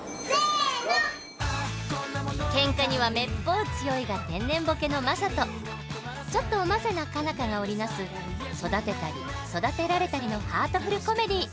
ケンカにはめっぽう強いが天然ボケのマサとちょっとおませな佳奈花が織り成す育てたり育てられたりのハートフルコメディー。